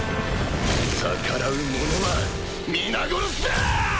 逆らう者は皆殺しだ！